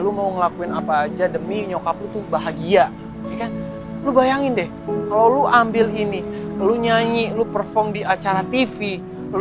lo mau ngelakuin apa aja demi nyokap lo tuh bahagia